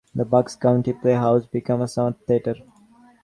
The Bucks County Playhouse became a summer theater.